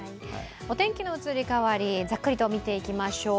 お天気の移り変わり、ざっくりと見ていきましょう。